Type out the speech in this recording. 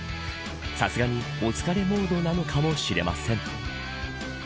さすがに、お疲れモードなのかもしれません。